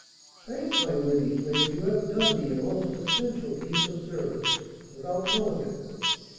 "Thanks, my worthy friend, you have done me a most essential piece of service, without knowing it."